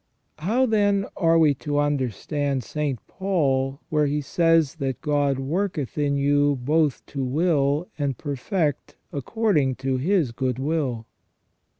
How, then, are we to understand St. Paul where he says that God " worketh in you both to will and perfect according to His good will